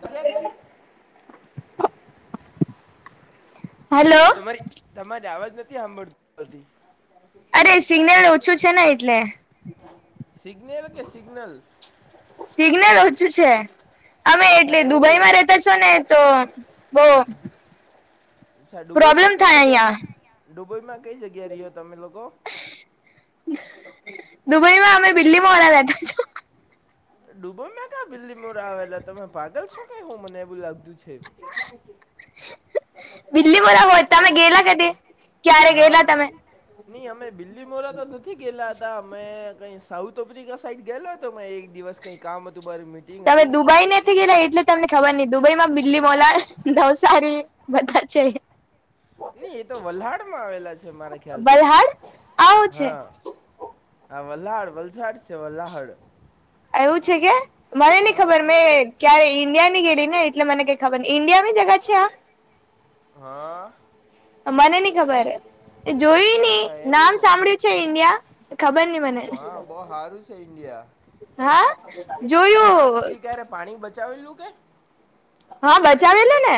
સમજ્યા કે હેલો તમારી તમારી આવાજ નથી સાંભળતીતી અરે સિગ્નલ ઓછું છે ને એટલે સિગ્નનેલ કે સિગનલ સિગ્નલ ઓછું છે અમે એટલે અચ્છા એવું દુબઈમાં રહેતા છો ને તો બો અચ્છા ડુબઈમાં પ્રોબ્લેમ કઈ થાય અહિયાં જગ્યા ડુબઈમાં કઈ જગ્યા રહ્યો તમે લોકો દુબઈ માં અમે બીલીમોરા બેઠા છો ડૂબઈ મે કા બિલીમોરા આવેલા તમે પાગલ છો ક હું મને એવું લાગતું છે બીલીમોરામા તમે ગેલા કદી ક્યારે ગયેલા તમે નહી અમે બિલ્લીમોરા તો નથી ગેલા મેં કઈ સાઉથ અફ્રિકા સાઈડ ગેલો હતો મેં એક દિવસ કઈ કામ હતું બર મી તમે દુબઈ નથી ગેલા એટલે તમને ખબર નહિ દુબઈ માં બીલીમોરા નવસારી બધા છે નહી એ તો વલહાડ માં આવેલા છે મારા ખ્યાલ થી. બલહાડ આવું છે હા હા વલ્હડ વલસાડ છે વલહાડ એવું છે કે મને નઈ હા ખબર તમને તો મેં કંઈક ક્યારે ઈન્ડિયા ની ગેડી ને એટલે મને કઈ ખબર ઈન્ડિયા ની જગા છે આ હા મને ન ખબર જોયું નહી અચ્છા નામ એવું સાંભળ્યું છે ઈન્ડિયા ખબર નઈ મને બ સારું છે ઇન્ડિયા હા તમે આજ જોયું સુધી ક્યારે પાણી બચાવેલું કે હા બચાવેલા ને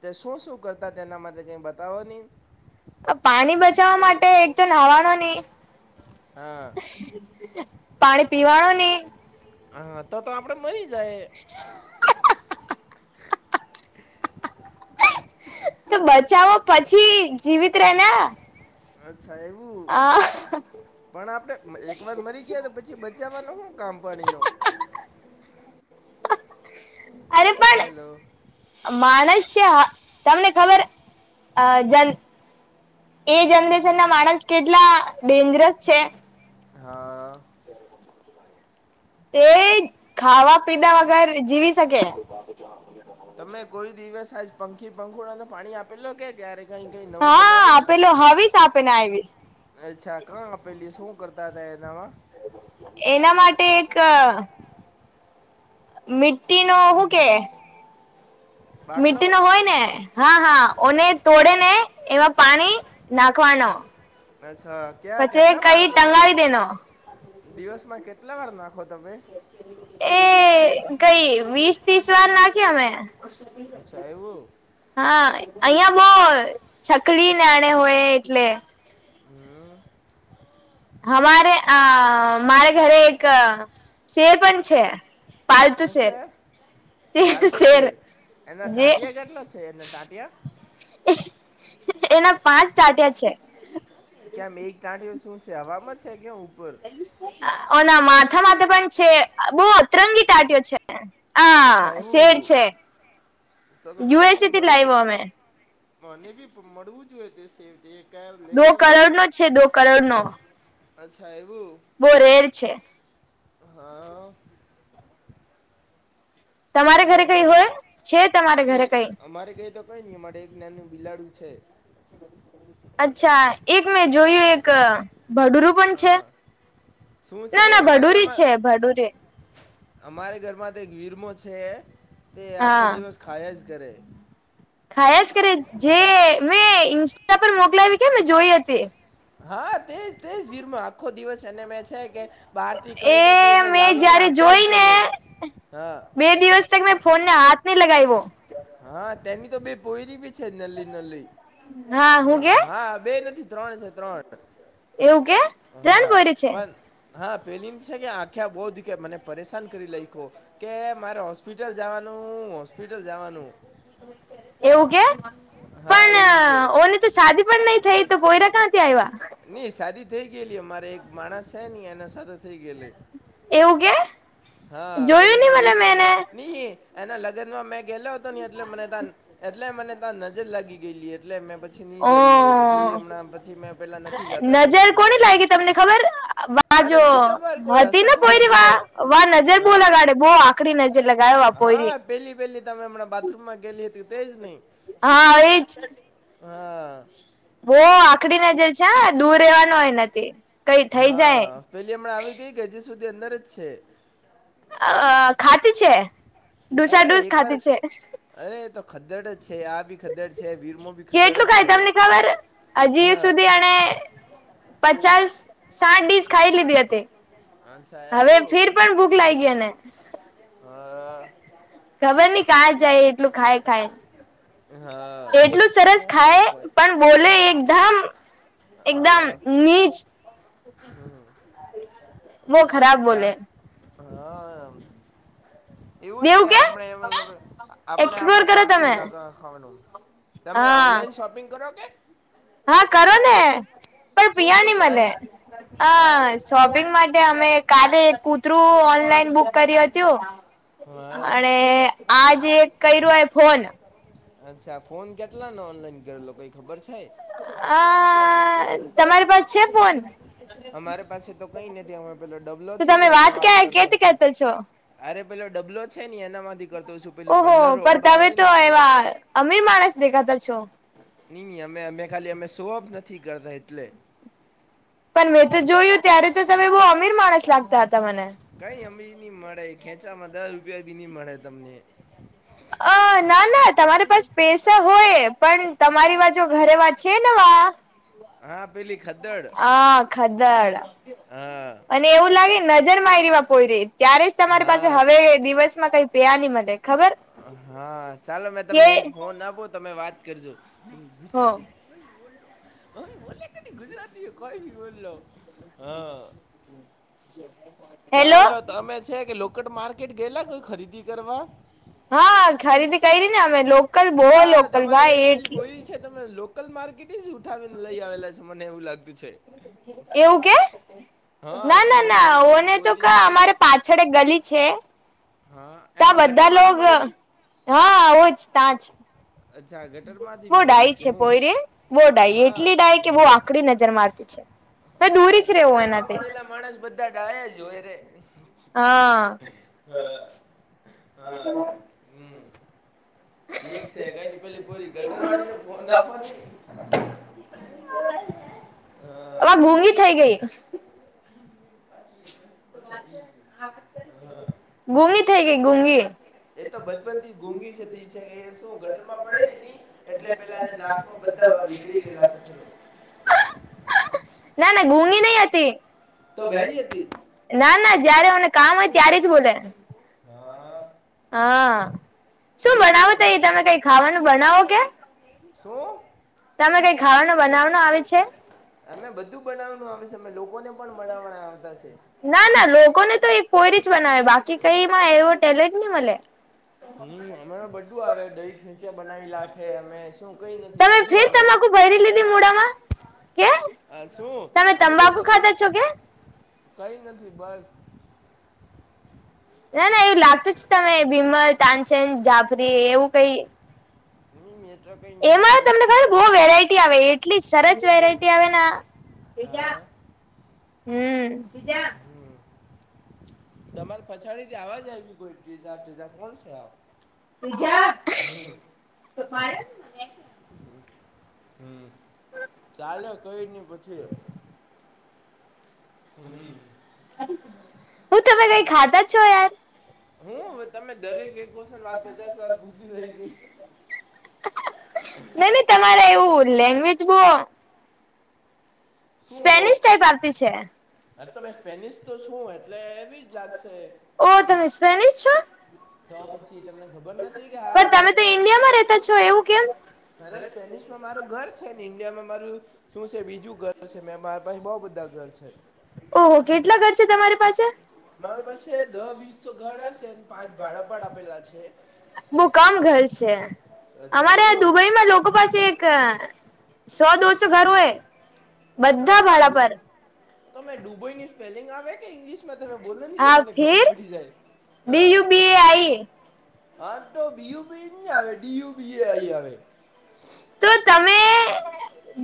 તે શું શું કરતા તેના માટે કંઈ બતાવો નહીં. પાણી બચાવવા માટે એક તો નાહવાણ નહી હા પાણી પીવાણ નની હા તો તો આપડે મરી જાય. [unintelligible] તો બચાવો પછી જીવિત રેને અચ્છા એવું પણ આપણે એક વાર મરી ગયા પછી બચાવવાનો શું કામ પાણીનો અરે પણ હેલો- માણસ છે હ તમને ખબર અ જન એ જનરેશન ના માણસ કેટલા ડેન્જરસ છે. હા તે ખાવા પીતા વગર જીવી શકે. તમે કોઈ દિવસ આજ પંખી પંખૂળા અને પાણી આપેલો કે ક્યારેક હા આપેલો હશ આપેને આવી અચ્છા કં આપેલી શું કરતા હતા એનામાં એના માટે એક મિ્ટી નો હું કે બાટલો મી્ટી નો હોય ને હા હા ઓને તોડે ને એમાં પાણી નાખવાનો અચછા ક્યાં પછી કેટલા વાર કઈ નાખો ટંગાવી દેનો દિવસમાં કેટલા વાર નાખો તમે એ કઈ વીસ ત્રીસ વાર નાખી અમે હ ચાહેવ હા અહિયાં બઉ છકડી નાણે હોય એટલે હમ્મ અમારે અ મારે ઘરે એક શેર પણ છે. પાલતુ શું શેર છે પાલતુ શેર એના જે ટાંટિયા કેટલા છે એના ટાંટિયા એના પાંચ ટાટિયા છે. કેમ એક તાંટીઓ શું છે હવામાં છે કેમ ઉપર ઓના માથા માથે પણ છે બહ અતરંગી તાટ્યો છે અચ્છા આ એવુ યુએસસીથી લાઇવ અમે મને બી મળવું જોઈએ તે સેવ દ દો કરોડનો છે દો કરોડનો. અચ્છા એવું. બો રેર છે. હા તમારે ચાલો ઘરે કઈ હોય છે તમારે નઈ ઘરે કઈ અમારે કઈ તો કઈ નહીં અમારે એક નાનું બિલાડું છે. [inaudible] અચ્છા એક મેં જોયું એક ભડુરૂ પણ છે. હા શું છે ના ના મારા ભડૂરી ઘરમાં છે ભડૂરી. અમારે ઘરમાં તો વીરમો છે તે આખો હા દિવસ ખાયા જ કરે. ખાયાજ કરે જે મેં ઇન્સ્ટા પર મોકલાવી કે મેં જોઈ હતી. હા તેજ તેજ વીરમાં આખો દિવસ એને મેં છે કે બહારથી એ કંઈ ને કંઈને મેં લાવીને જયારે આપ્યા જ જોય ને કરું હા બે દિવસ ત મેં ફોન હાથ ન લગઈવો. હા તેની તો બે પોયરી ભી છે નલી નલી. હા હું હમ્મ કે હા બે નથી ત્રણ છે ત્રણ. એવું કે. ત્રણ હા પોયરી છે પણ હા પેલી છે કે આખ્યા બોહ દીખે મને પરેશાન કરી લઈકો. કે મારે હોસ્પિટલ જવાનું હોસ્પિટલ જવાનું. એવું કે હા એવું કે પણ ઓ શાદી પણ નહી થઈ તો પોયરા ક્યાંથી આઈવા. નઈ સાદી થઈ ગયેલી અમારે એક માણસ છે ની એના સાદા થઈ ગયેલી. એવું કે હા જોયું પેલા નહી ના મને વીરમાન મેને ની. એના લગ્નમાં મેં ગેયેલો હતો ની એટલે મને ત્યા એટલે મને ત્યા નજર લાગી ગયેલી એટલે મે બદ પછી નહી ઓ જયું પછી એમણા પછી મેં. પેલા નથી જતો એના નજર લગ્નમાં કોની લાગી તમને ખબર અરે વાજો નહીં ખબર કોઈ હતી હશે ને ઠાલા કોઈરી વા. ભૂલા વાહ નજર બહુ હા લગાડે બોહ આકડી નજર લગાવો પોઈરી. પહેલી પહેલી તમે હમં બાથરૂમમાં ગેલી હતી તે જ નહીં. હા એજ. હા. બોહ આકડી નજર છે હા દૂર રહેવાનું હો એનાથી. હા પેલી હમણાં આવી ગઈ કે હજી સુધી અંદર જ છે. અ ખાતી છે અરે ડૂચાડુચ એકવાર ખાતી છે. અરે તો ખદ્દડ જ છે આ ભી ખદ્ડ છે વીરમો ભી ખદડ જ કેટલું ખાય છે. તમને ખબર હજી હા સુધી એણે પચાસ સાઠ ડીશ ખાઈ લીધી હતી. અચ્છા હવે એવું ફીર પણ ભૂખ લાગી એને. હા. ખબર નઈ કા જાય એટલું ખાય ખાય. હા. એટલું સરસ કોમ એ ખાય કોઈ પણ બોલે એકદમ અ એકદમ નીચ. બોહ ખરાબ ચા બોલે. હા. એવું જ છે દેવું કે આપણે આપણે આપણે એક્સપ્લોર કરો કામથી તમે જ ના ખાવાનું. તમે હા ઓનલાઈન શોપિંગ કરો કે? હા કરો ને પણ શું પૈઆ શું ની કરો મળે. અ. હા શોપિંગ માટે અમે કાલે એક કૂતરું ઓનલાઈન બુક કર્યું હતું. હા અને આજે કર્યું આઈ ફોન. અચ્છા ફોન કેટલા ને ઓનલાઈન કરેલો? કંઈ ખબર છે? હ તમારી પાસે છે ફોન? અમારે પાસે તો કંઈ નથી. અમે પેલો ડબલો તો છે ને, તમે એમાં વાત ક્યાં કરતો કેતી છું. કેતા છો અરે, પેલો ડબલો છે ને, એના માંથી કરતો છું. પેલું ઓહો, પંદર પણ વાળો તમે આવે તો ને તે એવા અમીર માણસ દેખાતા છો. ની ની અમે અમે ખાલી અમે શોઅપ નથી કરતા એટલે. પણ મેં તો જોયું ત્યારે, તો તમે બહુ અમીર માણસ લાગતા હતા મને. કઈ અમી નહીં મળે. ખેંચામાં દસ રૂપિયા બી નહીં મળે તમને. [inaudible] [inaudible] અ ના ના, તમારી પાસે પૈસા હોય, પણ તમારી પાસે ઘરે વંચાય લેવા. હા યર પેલી ખદ્દડ હા, ખદળ. હા. અને એવું લાગે, નજર મા એરીમાં પોઈરી. ત્યારે જ તમારી પાસે હા હવે દિવસ માં કઈ પેયા ન મળે. ખબર હા, ચાલો, મેં એ તમને એક ફોન આપો. તમે વાત કરજો. કોઈ હો બોલો, મેમ બો ગુજરાતી કોઈ બોલલો, હા. હેલો ચાલો તમે છે કે, લો માર્કેટ ગેલા, કોઈ ખરીદી કરવા? હા, ખરીદી કઈરીને. અમે લોકલ, બો આ લોકલ, તમારે ભાઈ, ઘરે પેલી એ બોયરી છે તને, લો કલ માર્કેટ જ ઉઠાવીને લઈ આવેલા છે, મને એવું લાગતું છે. એવું કે? હા ના, ના, તમારે ના. ઘરે પેલી ઓને તો બોયરી કા, છે ને તે- અમારે પાછળ ગલી છે. હા. તા એમાં બધા ગટરમાંથી લોગ, મળેલી હા. એવું, ત્યાંજ. અચ્છા, ગટર માંથી મળેલી કે? છે હું, પોયરે બો ડાઈ હા, એટલી ડાઈ કે બો ગટ આકડી નજર મારતી છે મે હા, દૂરી જ રેવું ગટર માં એનાથી મળેલા માણસ. બધા ડાયા જ હોય રે. હા હા, હા, હમ્મ. એક સે, કંઈ ની. પેલી પોરી, ગટરવાળી, ને ફોન આપો ની. [inaudible] હા. અવા ઘૂંગી થઈ ગઈ. [unintelligible] ગૂગી થઈ ગઈ, ગૂગી. એ તો બચપન થી ગૂઘી જતી છે. એ શું ગટરમાં પડેલી ની એટલે પેલાને ના આમાં બધા નીગળી ગયેલા કચરો. ના, ના, ગૂગી નહીં હતી. તો બેહેરી હતી? ના, ના, જયારે મને કામ હોય ત્યારે જ બોલે. હા હા શું ઠીક છે બનાવો કે તમેં એ તમે કઈ ખાવાનું બનાવો કે શું તમે કઈ ખાવાનો બનાવવાનો આવે છે? અમે બધું બનાવાનું આવે છે, અમે લોકોને પણ બનાવના આવતા છે. ના ના લોકોને તો એક પોઈરી જ બનાવે બાકી કઈમાં એવો ટેલેન્ટ ની મલે. હમ અમારે બધું આવે દહીં ખેચા બનાવી નાખે અમે શું કઈ નથી બધું આવે. પેહરી લીધી મુડામાં કે હ શું તમે અમે તો તંબાકુ ખાતા છો કે કઈ નથી બસ. ના ના એવું લાગતું જ તમે બીમલ, તાનચંદ, જાફરી એવું કઈ હમ્મ એતો કઈ નહી એમાં આજે તમને ઠેપ ખબર બહુ વેરાયટી આવે એટલી સરસ વેરાયટી આવેના બીજા હા હમ્મ બીજા તમાર પછાડીથી આવાજ આવીય કોઈ અવાજ કોણ છે આ [unintelligible] હમ્મ ચાલે કઈ ની પછી હમ. હું તમે કઈ ખાતા છો યાર હું અવે તમે દરેક એક પર્સનલ વાત પચાસ વાર પૂછી રઈ ગઈ. ના ની તમારે એવું લેંગ્વેજ બો સ્પેનિશ ટાઈપ આવતી છે. હા તમે સ્પેનિશ તો છું એટલે એવીજ લાગશે ઓ તમે સ્પેનિશ છો? તો પછી તમને ખબર નથી કે હારા પણ મે તમે તો ઈન્ડિયામાં રેતા છો એવું કેમ અરે સ્પેનિશ મારું ઘર છે, ને ઈન્ડિયામાં મારું શું છે, બીજું ઘર છે, મે મારા પાહે બો બધા ઘર છે. ઓહો કેટલા ઘર છે, તમારી પાસે? મારા પાસે દહ વીસો ઘર હશે પાંચ ભાડા પર આપેલા છે. મુકામ ઘર છે, અચ્છા અમારે એવું દુબઈમાં લોકો પાસે એક સો દોસો ઘર ઓય બધા તા ભાડા ડુબ પર તમે ડુબઈની સ્પેલિંગ આવે કે ઇંગ્લિશમાં તમે બોલે ની હા મને ખબર ફીર પડી જાય બી હા. યુ બી એ આઈ હ તો બિયુબી ની આવે ડીયુ બીએ આઈ આવે તો તમે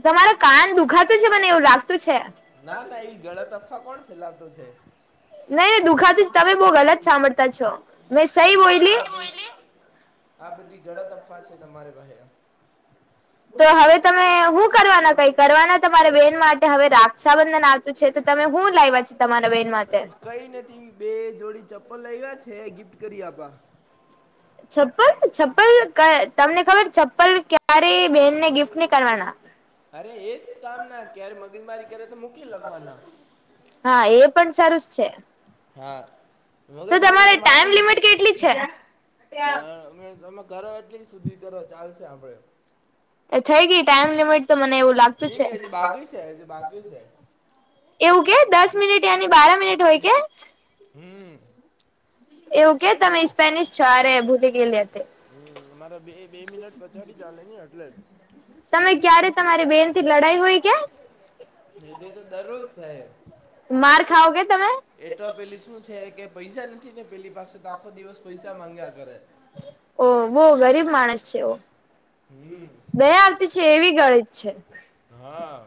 તમાર કાન દુખાતું છે, મને એવું લાગતું છે. ના ના એ ગળત અફવા કોણ ફેલાવતો છે? નહી દુખાતું જ તમે બો ગલત સાંભળતા છો મેં સહી ના ના બોયલી આ બધી આ બધી ઘલત તફા છે, તમારે પાહે તો હવે તમે હું કરવાના કઈ કરવાના તમારે બેન માટે હવે રાક્ષાબંધન આ તુ છે, તો તમે હું લાવ્યા છે, તમારા બેન માટે? કઈ નથી બે જોડી ચપ્પલ લાયના છે, ગિફ્ટ કરી આપા છપ્પલ છપ્પલ તમને ખબર છપ્પલ ક્યારે બેહેનને ગિફ્ટ ની કરવાના અરે એ જ કામ ના ક્યારે મગજમારી ક્યારે તો મુ હા એ પણ સારુંસ છે. હા મગજ તો તમારે મારીને વાત ટાઈમ લિમિટ કેટલી છે [inaudible] કરો એટલી સુધી કરો ચાલશે આપણે એ થઈ ગઈ ટાઈમ લિમિટ તો મને એવું લાગતું નઈ છે. નઈ હજી બાકી છે હજી બાકી છે એવું કે દસ મિનિટ યાની બારા મિનિટ હોય કે? હમ. એવું કે તમે સ્પેનિશ છો અરે ભૂલી ગયેલી હતી હમ અમારા બે બે મિનટ પછાડી ચાલે ની અટલે તમે ક્યારે તમારી બેન થી લડાઈ હોય કે નિધી તો દરરોજ થાય માર ખાઓ કે તમે એ તો પેલી શું છે. કે પૈસા નથી ને પેલી પાસે તો આખો દિવસ પૈસા માંગ્યા કરે ઓ બો ગરીબ માણસ છે, ઓ હમ બે આવતી છે, એવી ગરીબ છે. હા.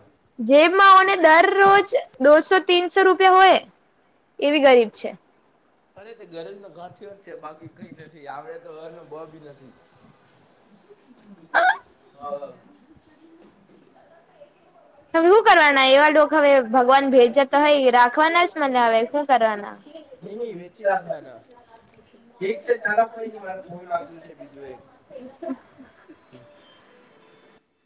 જેમાં ઓને દરરોજ દોસો તીનસો રૂપિયા હોય એવી ગરીબ છે. અરે તે ઘરેજ ન ગાંઠયો જ છે, બાકી કઈ નથી આવડે તો અને બ બી નથી હ. હુ કરવાના એવા લોકો હવે ભગવાન ભેજાતા હોય રાખવાના જ મને હવે હુ કરવાના [inaudible] [inaudible] નઈ નઈ વેચી નાખવાના ઠીક છે ચાલો કઈ નઈ મારે ફોન આવતું છે બીજું એક